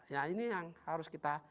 ya ini yang harus kita